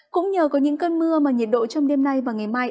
cũng nhờ có những cơn mưa mà nhiệt độ trong đêm nay và ngày mai